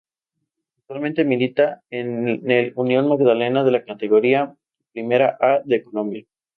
Actualmente milita en el Unión Magdalena de la Categoría Primera A de Colombia.